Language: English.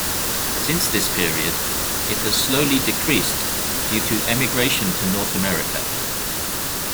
Since this period, it has slowly decreased due to emigration to North America.